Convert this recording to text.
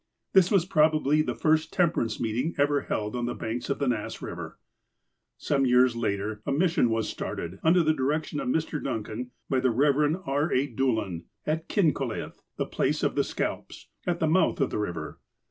This was probably the first temperance meeting ever held on the banks of the Nass Eiver. Some years later, a mission was started, under the direction of Mr. Duncan, by the Eev. R. A. Doolan, at Kincolith (the place of the scalps), at the mouth of the river.